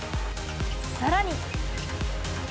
さらに。